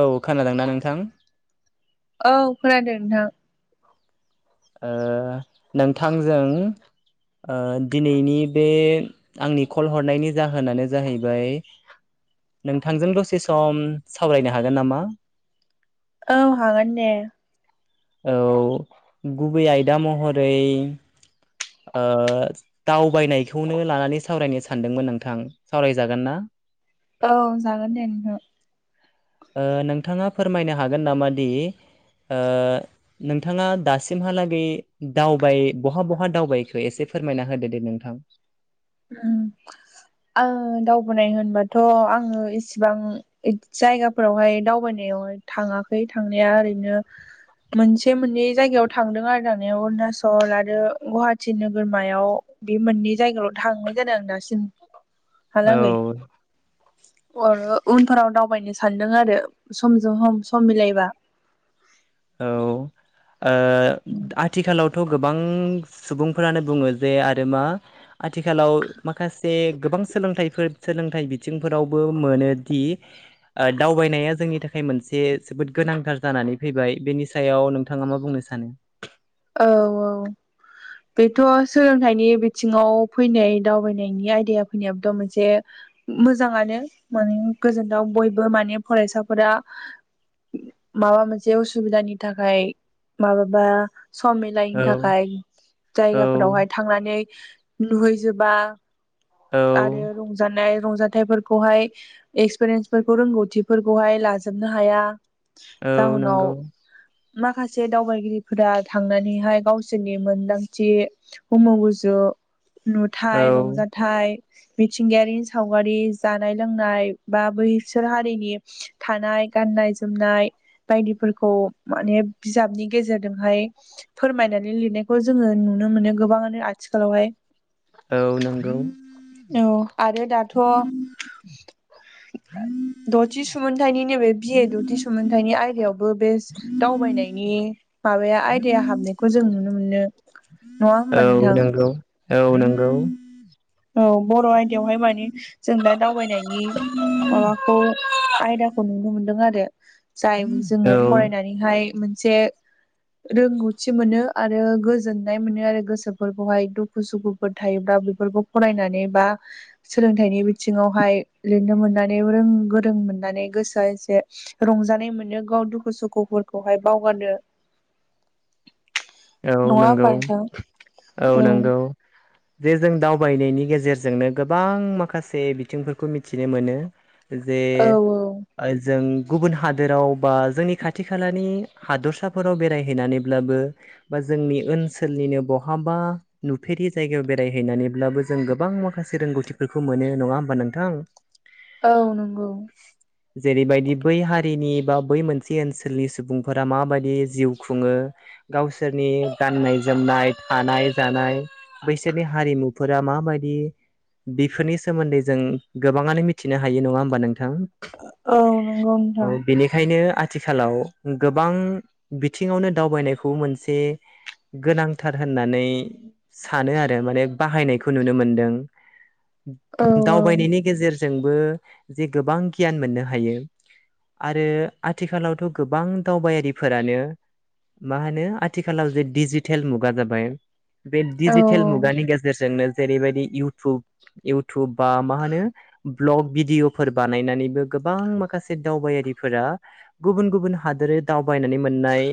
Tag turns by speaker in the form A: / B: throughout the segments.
A: औ खोनादों ना नोंथां।
B: औ खोनादों नोंथां।
A: ओ नोंथां जों। ओ दिनैनि बे आंनि कल हरनायनि जाहोनानो जाहैबाय। नोंथांजों दसे सम सावरायनो हागोन नामा?
B: औ हागोन दे।
A: औ गुबै आयदा महरै। ओ दावबायनायखौनो लानानै सावरायनो सानदोंमोन नोंथां सावरायजागोन ना?
B: औ जागोन दे नोंथां।
A: ओ नोंथाङा फोरमायनो हागोन नामा दि। ओ नोंथाङा दासिमहालागै दावबाय बहा बहा दावबायखो एसे। फोरमायना होदो दे नोंथां।
B: उम। आङो दावबाय होनबाथ' आङो इसिबां जायगाफोरावहाय दावबायनाय। याव थाङाखै थांनाया ओरैनो। मोनसे मोननै जायगायाव थांदों आरो थांनाया अरुनााचल आरो गुवाहाटि नोगोरमायाव। बे मोननै जायगायाव' थांनाय जादों आं दासिम।
A: औ।
B: अर उनफोराव दावबायनो सानदों आरो समजों हम सम सम मिलायबा।
A: औ ओ आथिखालावथ' गोबां। उम सुबुंफोरानो बुङो जे आरो मा आथिखालाव माखासे गोबां सोलों। थायफोर सोलोंथाइ बिथिंफोरावबो मोनोदि ओ दावबायनाया जोंनि थाखाय मोनसे। जोबोद गोनांथार जानानै फैबाय बेनि सायाव नोंथाङा मा बुंनो सानो।
B: औ औ। बेथ' सोलोंथाइनि बिथिङाव फैनाय दावबायनायनि आयदाया फैनायाबोथ' मोनसे। मोजाङानो माने गोजोनथाव बयबो माने फरायसाफोरा। माबा मोनसे असुबिदानि थाखाय माबाबा। सम मिलानि
A: औ
B: थाखाय
A: औ
B: जायगाफोरावहाय थांनानै नुहैजोबा।
A: औ
B: आरो रंजानाय। रंजाथाइफोरखौहाय एक्सपिरियेन्सफोरखौ रोंगौथिफोरखौहाय लाजोबनो हाया।
A: औ
B: जाउनाव
A: नोंगौ।
B: माखासे दावबायगिरिफोरा। थांनानैहाय गावसोरनि मोनदांथि हमु गुजु।
A: औ
B: नुथायाइ रंजाथाइ। मिथिंगायारिनि सावगारि जानाय लोंनाय बा बैसोर हारिनि थानाय। गाननाय जोमनाय बायदिफोरखौ माने बिजाबनि गेजेरजोंहाय। फोरमायनानै लिरनायखौ जोङो नुनो मोनो गोबाङानो आथिखालावहाय।
A: औ नंगौ
B: औ आरो दाथ'। दथि सुमोनथायनि नैबे बिए दथि सोमोनथाइनि आयदायावबो बे दावबायनायनि माबाया आय दाया हाबनायखौ जों नुनो मोनो ।
A: औ नंगौ औ नंगौ
B: औ बर' आयदायावहाय मानि जों दा दावबायनायनि माबाखौ आयदाखौ नुनो मोनदों आरो जाय जोङो
A: औ
B: फरायनानैहाय मोनसे रोंगौथि मोनो । आरो गोजोननाय मोनो आरो गोसोफोरखौहाय दुखु सुखुफोर थायोब्ला बेफोरखौ फरायनानै बा सोलोंथाइनि बिथिङावहाय लिरनो मोननानै रों गोरों मोननानै गोसोआ एसे रंजानाय मोनो गाव दुखु सुखुफोरखौहाय बावगारानो
A: औ नंगौ
B: होमबा नोंथां
A: औ नंगौ जे जों दावबायनायनि गेजेरजोंनो गोबां माखासे बिथिंफोरखौ मिथिनो मोनो । जे
B: औ औ
A: अ जों गुबुन हादोराव बा जोंनि खाथि खालानि हादरसाफोराव बेरायहैनानैब्लाबो बा जोंनि ओनसोलनिनो बहाबा नुफेरि जायगायाव बेरायहैनानैब्लाबो जों गोबां माखासे रोंगौथिफोरखौ मोनो नङा होमबा नोंथां ।
B: औ नंगौ ।
A: जेरैबायदि बै हारिनि बा बै मोनसे ओनसोलनि सुबुंफोरा माबायदि जिउ खुङो गावसि सोरनि गाननाय जोमनाय थानाय जानाय बैसोरनि हारिमुफोरा माबायदि बिफोरनि सोमोन्दै जों गोबाङानो मिथिनो हायो नङा होमबा नों थां
B: औ नंगौ नोंथां
A: औ बेनिखायनो आथि खालाव गोबां बिथिङावनो दावबायनायखौ मोनसे गोनांथार होननानै सानो आरो माने बाहायनायखौ नुनो मोनदों
B: औ
A: । दावबायनायनि गेजेर जोंबो जे गोबां गियान मोननो हायो । आरो आथिखालावथ' गोबां दावबायारिफोरानो मा होनो आ थिखालाव जे डिजिटेल मुगा जाबाय बे
B: औ
A: डिजिटेल मुगानि गेजेरजोंनो जेरैबायदि इटुब इटुब बा मा होनो भ्लग भिडिअफोर बानायनानैबो गोबां माखासे दावबायारिफोरा गुबुन गुबुन हादोरै दावबायनानै मोननाय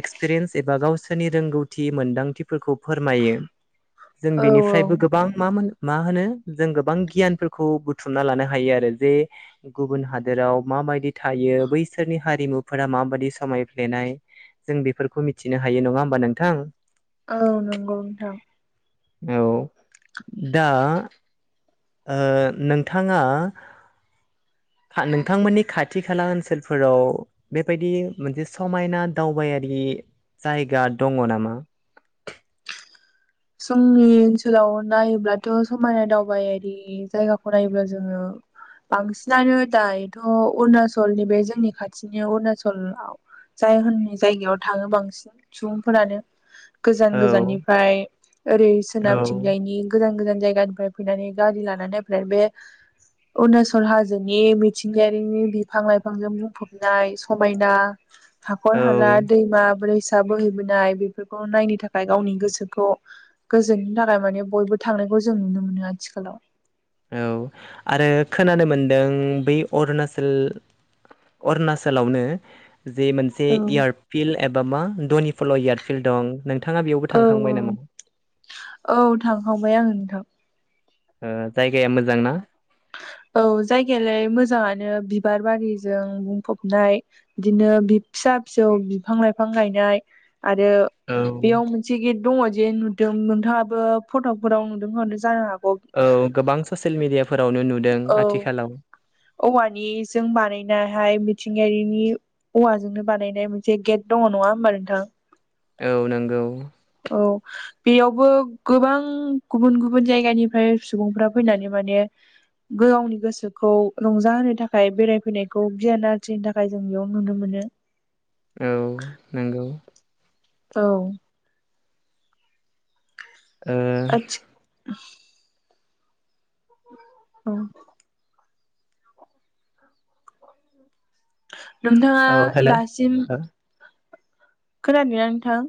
A: एक्सपिरियेन्स एबा गावसोरनि रोंगौथि मोन्दांथिफोरखौ फोरमायो जों
B: औ
A: बेनिफ्रायबो गोबां मा मोनो मा होनो जों गोबां गियानफोरखौ बुथुमना लानो हायो आरो जे गुबुन हादोराव मा माबायाददि थायो बैसोरनि हारिमुफोरा माबायदि समायफ्लेनाय जों बेफोरखौ मिथि नो हायो नङा होमबा नोंथां ।
B: औ नंगौ नोंथां ।
A: औ दा ओ नोंथाङा नोंथांमोननि खाथि खाला ओनसोलफोराव बेबायदि मोनसे समायना दावबायारि जायगा दङ नामा?
B: जोंनि ओनसोलाव नायोब्लाथ' समायना दावबायारि जायगाखौ नायोब्ला जोङो बांसिनानो दायोथ' अरुणचलनि बे जोंनि खाथिनि अरुणचलाव जाय होननि जायगायाव थाङो बांसिन सुबुंफोरानो गोजान
A: औ
B: गोजाननिफ्राय ओरै
A: औ
B: सोनाबथिंजायनि गोजान गोजान जायगानिफ्राय फैनानै गारि लाना नायफैनाय बे अरुणचल हाजोनि मिथिंगायारिनि बिफां लाइफांजों बुंफबनाय समायना हाखर हाला
A: औ
B: दैमा बोरैसा बोहैबोनाय बेफोरखौ नायनो थाखाय गावनि गोसोखौ गोजोननि थाखाय माने बयबो थांनायखौ जों नुनो मोनो आथिखालाव ।
A: औ आरो खोनानो मोनदों बे अरुनाचल अरुणाचलावनो जे मोनसे
B: औ
A: एयार्दफिल्ड एबा मा दनिफिलाल एयार्दफिल्ड दं। नोंथाङा बेयावबो
B: औ औ
A: थांखांबाय नामा?
B: औ थांखांबाय आं नोंथां
A: ओ जायगाया मोजां ना?
B: बिदिनो बिबार बारिजों बुंफबनाय बिदिनो दिप फिसा फिसौ बिफां लाइफां गायनाय आरो
A: औ
B: बेयाव मोनसे गेद दङ जे नोंथाङाबो फटकफोराव नुदों हरदों जानो हागौ।
A: औ गोबां ससियेल मिडियाफोरावनो नुदों
B: औ
A: आथिखालाव
B: औवानिजों बानायनायहाय मिथिंगायारिनि औवाजोंनो बानायनाय मोनसे गेट दङ नङा होमबा नोंथां
A: औ नंगौ।
B: औ बेयावबो गोबां गुबुन गुबुन जायगानिफ्राय सुबुंफ्रा फैनानै माने गावनि गोसोखौ रंजाहोनो थाखाय बेरायफैनायखौ गियान आरजिनो थाखाय जों बेयाव नुनो मोनो। [unintelligible]
A: औ नंगौ
B: औ।
A: ओ
B: आथि उम नोंथाङा
A: औ हेल'
B: दासिम खोनादोंना नोंथां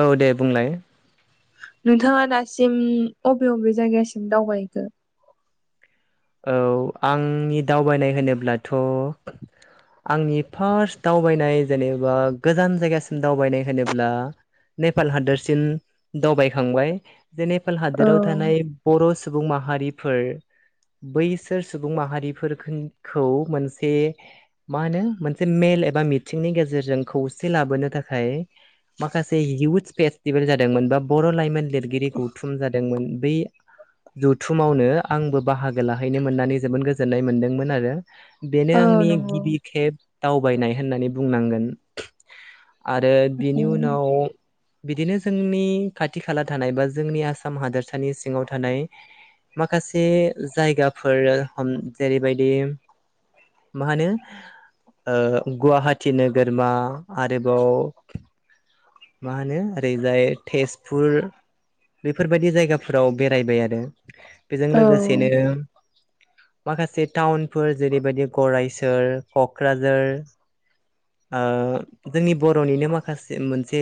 A: औ दे बुंलाय
B: नोंथाङा दासिम अबे बबे जायगासिम दावबायहैखो?
A: औ आंनि दावबायनाय होनोब्लाथ' आंनि फार्स्ट दावबायनाय जेनेबा गोजान जायगासिम दावबायनाय होनोब्ला नेपाल हादोरसिम दावबायखांबाय। बे नेपाल
B: औ
A: हादोराव थानाय बर' सुबुं माहारिफोर बैसोर सुबुं माहारिखौ मोनसे मा होनो मोनसे [unintelligible] बा मिथिंनि गेजेरजों खौसे लाबोनो थाखाय माखासे इयुथ्स फेस्टिभेल जादोंमोन बा बर' लाइमोन लिरगिरि गौथुम जादोंमोन। बै जथुमावनो आंबो बाहागो लाहैनो मोननानै जोबोद गोजोननाय मोन्दोंमोन आरो। बेनो
B: औ
A: आंनि
B: नंगौ
A: गिबि खेब दावबायनाय होननानै बुंनांगोन। आरो
B: औ
A: बेनि उनाव बिदिनो जोंनि खाथि खाला थानाय बा जोंनि आसाम हादोरसानि सिङाव थानाय माखासे जायगाफोर हम जेरैबायदि मा होनो ओ गुवाहाटि नोगोरमा आरोबाव मा होनो ओरैजाय तेजपुर बेफोरबायदि जायगाफोराव बेरायबाय आरो। बेजों
B: औ।
A: [unintelligible] माखासे टाउनफोर जेरैबायदि गरायसर, क'क्राझार ओ जोंनि बर'निनो माखासे मोनसे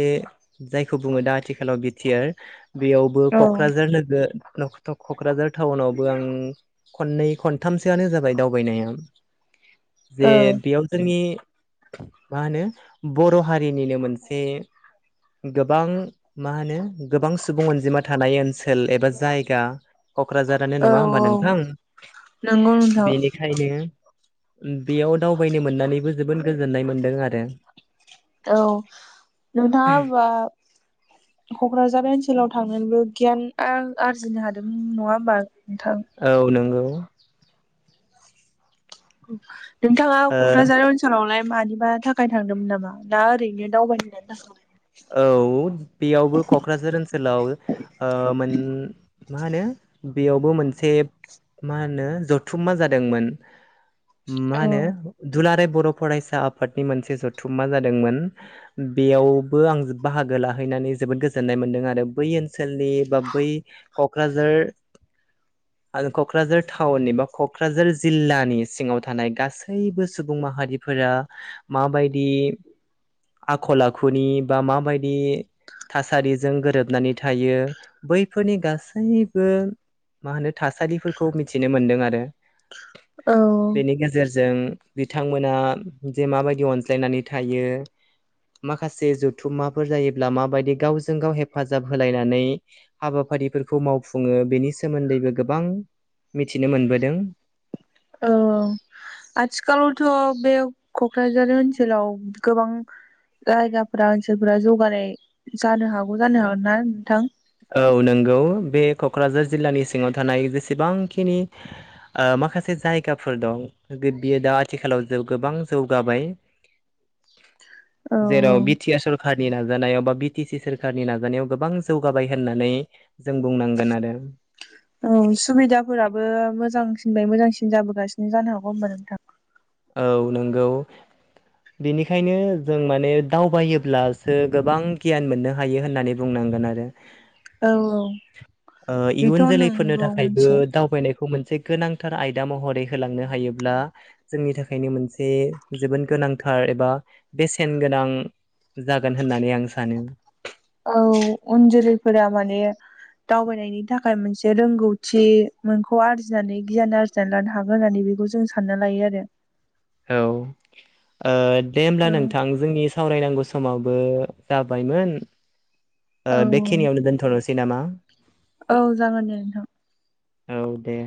A: जायखौ बुङो दा आथिखालाव [unintelligible] बेयावबो
B: औ
A: क'क्राझार नोगोर क'क्राझार टाउनावबो आं खननै खनथामसोआनो जाबाय दावबायनाया। जे बेयाव जोंनि मा होनो बर' हारिनिनो मोनसे गोबां मा होनो गोबां सुबुं अनजिमा थानाय ओनसोल एबा जायगा क'क्राझारानो
B: औ
A: नङा होमबा
B: औ
A: नोंथां।
B: नंगौ नोंथां।
A: बेनिखायनो बेयाव दावबायनो मोननानैबो जोबोद गोजोननाय मोनदों आरो।
B: औ नोंथाङा ओमबा क'क्राझार थांनानैबो गियान आरजिनो नोंथां?
A: औ नोंगौ
B: नोंथाङा
A: ओ
B: क'क्राझार ओनसोलावलाय मानिबा थाखाय थांदोंमोन नामा ना ओरैनो दावबायनो होननानै थांदोंमोन?
A: औ बेयावबो क'क्राझार ओनसोलाव ओ मोन मा होनो बेयावबो मोनसे मा होनो जथुममा जादोंमोन ओ मा
B: औ
A: होनो दुलाराय बर' फरायसा आफादनि मोनसे जथुममा जादोंमोन बेयाव बो आं बाहागो लाहैनानै जोबोद गोजोन्नाय मोन्दों आरो बै ओनसोलनि बा बै क'क्राझार आरो क'क्राझार थाउननि बा क'क्राझार जिल्लानि सिङाव थानाय गासैबो सुबुं माहारिफो रा माबायदि आखल आखुनि बा माबायदि थासारिजों गोरोबनानै थायो बैफोरनि गासैबो मा होनो थासारिफोरखौ मिथिनो मोन्दों आरो।
B: औ
A: जों बिथांमोना जे माबायदि अनज्लायनानै थायो माखासे ज थुममाफोर जायोब्ला माबायदि गावजों गाव हेफाजाब होलायनानै हाबाफारिफोरखौ मावफुङो बेनि सोमोन्दैबो गोबां मिथिनो मोनबोदों
B: औ आथिखालावथ' बे क'क्राझार ओनसोलाव गोबां जायगाफोरा ओनसोलफोरा जौगानाय जानो हागौ जानो हागोन ना नोंथां?
A: औ नोंगौ बे क'क्राझार जिल्लानि सिङाव थानाय जेसेबांखिनि ओ माखासे जायगाफोर दं बियो दा आथिखालाव गोबां जौगाबाय
B: औ
A: [inaudible] जेराव बि टि आर सरखारनि नाजानायाव बा बि टि सि सोरखारनि नाजानायाव गोबां जौ गाबाय होननानै आरो
B: औ सुबिदाफोराबो मोजांसिनबाय मोजांसिन जाबोगासिनो जानो हागौ होमबा नोंथां
A: औ नोंगौ बेनिखायनो जों माने दावबायोब्लासो गोबां गियान मोननो हायो होननानै बुंनां गोन आरो।
B: औ औ
A: ओ
B: बेथ'
A: इयुन जोलैफोरनो
B: नंगौ
A: थाखायबो
B: मोनसे
A: दावबायनाय खौ मोनसे गोनांथार आयदा महरै होलांनो हायोब्ला जोंनि थाखायनो मोनसे जोबोद गोनांथार एबा बेसेन गोनां जागोन होननानै आं सानो।
B: औ उन जोलैफोरा माने दावबायनायनि थाखाय मोनसे रोंगौथि मोनखौ आरजिनानै गियान आरजिनानै लानो हागोन होननानै बेखौ जों सानना लायो आरो।
A: औ ओ दे होमब्ला नोंथां जोंनि सावरायनांगौ समा बो जाबायमोन
B: औ
A: ओ बेखिनियावनो दोनथ'नोसै नामा?
B: औ जागोन दे नोंथां
A: औ दे